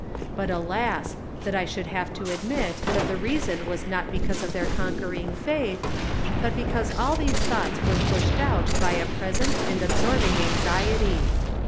But alas ! that I should have to admit that the reason was not because of their conquering faith, but because all these thoughts were pushed out by a present and absorbing anxiety.